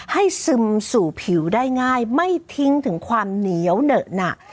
ซึมสู่ผิวได้ง่ายไม่ทิ้งถึงความเหนียวเหนอะหนัก